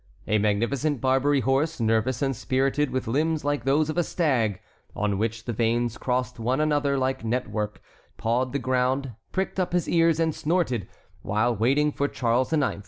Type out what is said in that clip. A magnificent Barbary horse, nervous and spirited, with limbs like those of a stag, on which the veins crossed one another like network, pawed the ground, pricked up his ears and snorted, while waiting for Charles IX.